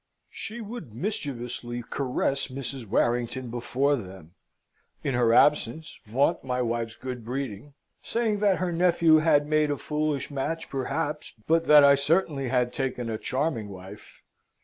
She would mischievously caress Mrs. Warrington before them; in her absence, vaunt my wife's good breeding; say that her nephew had made a foolish match, perhaps, but that I certainly had taken a charming wife.